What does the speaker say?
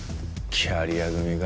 キャリア組か。